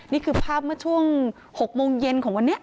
นี่คือภาพเมื่อช่วง๖โมงเย็นของวันนี้